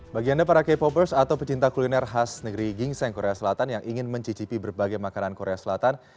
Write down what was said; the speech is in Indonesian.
bagi anda para k popers atau pecinta kuliner khas negeri gingseng korea selatan yang ingin mencicipi berbagai makanan korea selatan